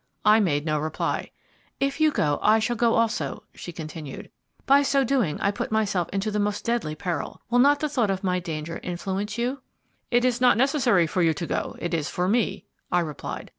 I made no reply. "If you go I shall go also," she continued. "By so doing I put myself into the most deadly peril. Will not the thought of my danger influence you?" "It is not necessary for you to go, and it is for me," I replied.